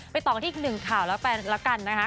ไปต่ออาทิตย์๑ข่าวแล้วกันนะฮะ